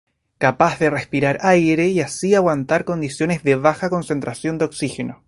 Capaz de respirar aire y así aguantar condiciones de baja concentración de oxígeno.